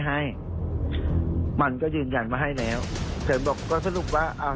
ให้มันก็ยืนยันว่าให้แล้วแต่บอกก็สรุปว่าอ่า